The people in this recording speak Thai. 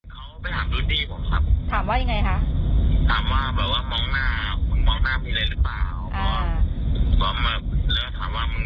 ทางครอบครัวทางญาติตกลงแล้วว่าจะให้สันนึง